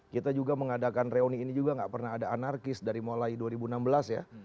kita juga mengadakan reuni ini juga nggak pernah ada anarkis dari mulai dua ribu enam belas ya